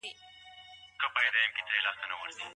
که د بریښنا مزي تر ځمکي لاندې سي، نو بادونه یې نه شکوي.